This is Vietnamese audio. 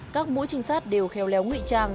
các mũi trinh sát đều khéo léo nguy trang